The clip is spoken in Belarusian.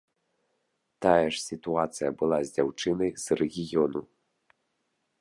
Тая ж сітуацыя была з дзяўчынай з рэгіёну.